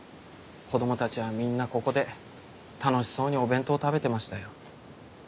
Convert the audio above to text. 子供たちはみんなここで楽しそうにお弁当食べてましたよ。